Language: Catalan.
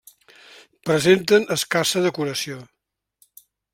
Presenten escassa decoració.